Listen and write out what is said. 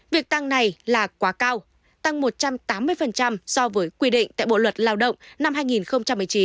việc tăng này là quá cao tăng một trăm tám mươi so với quy định tại bộ luật lao động năm hai nghìn một mươi chín